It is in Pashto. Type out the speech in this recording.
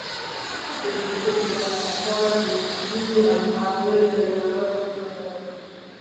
د ویښتو د رنګ لپاره د نکریزو او قهوې ګډول وکاروئ